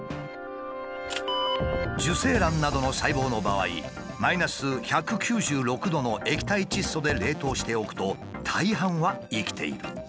受精卵などの細胞の場合マイナス１９６℃の液体窒素で冷凍しておくと大半は生きている。